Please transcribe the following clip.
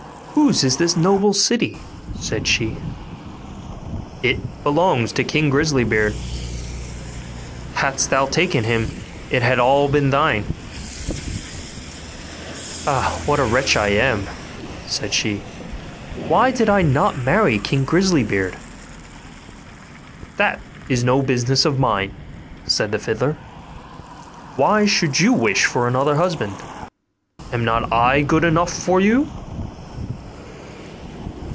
'Whose is this noble city?' said she. 'It belongs to King Grisly beard; hadst thou taken him, it had all been thine.' 'Ah! wretch that I am!' sighed she; 'why did I not marry King Grisly beard?' 'That is no business of mine,' said the fiddler: 'why should you wish for another husband? Am not I good enough for you?